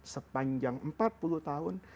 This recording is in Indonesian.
sepanjang empat puluh tahun